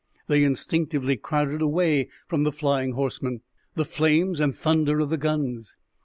They instinctively crowded away from the flying horsemen, the flames and thunder of the guns.